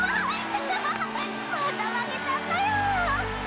また負けちゃったよ！